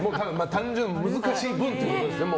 単純に難しい文ということです。